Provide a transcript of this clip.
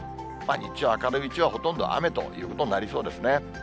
日中、明るいうちは、ほとんど雨ということになりそうですね。